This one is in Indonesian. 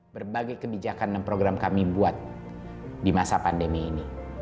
berbagai kebijakan dan program kami buat di masa pandemi ini